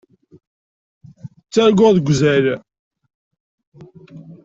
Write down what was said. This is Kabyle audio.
Ttarguɣ deg uzal.